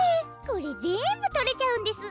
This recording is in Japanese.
これぜんぶとれちゃうんです。